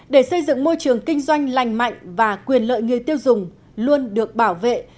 để xây dựng môi trường kinh doanh lành mạnh và quyền lợi người tiêu dùng luôn được bảo vệ